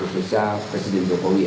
khususnya presiden jokowi